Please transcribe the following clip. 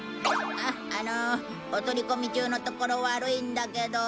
あのお取り込み中のところ悪いんだけど。